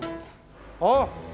あっ！